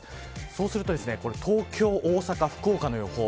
そうすると東京、大阪福岡の予報。